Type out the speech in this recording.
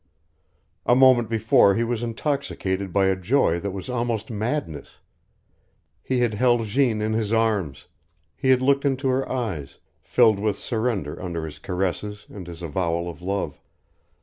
A moment before he was intoxicated by a joy that was almost madness. He had held Jeanne in his arms; he had looked into her eyes, filled with surrender under his caresses and his avowal of love.